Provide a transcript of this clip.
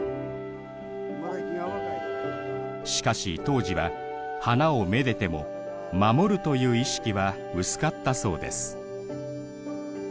しかし当時は花をめでても守るという意識は薄かったそうです